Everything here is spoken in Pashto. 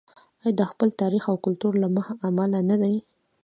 آیا د خپل تاریخ او کلتور له امله نه دی؟